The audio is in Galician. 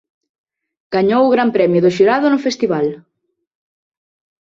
Gañou o Gran Premio do Xurado no festival.